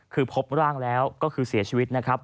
คือพบร่างแล้วก็คือเสียชีวิตนะครับ